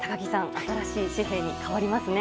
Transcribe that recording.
新しい紙幣に変わりますね。